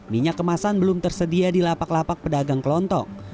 minyak kemasan belum tersedia di lapak lapak pedagang kelontok